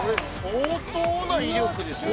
相当な威力ですよ